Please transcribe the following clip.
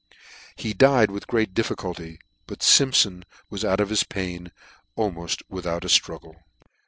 He died with great dif ficulty ; but Simpfon was out of his pain alraoft without a ftruggle.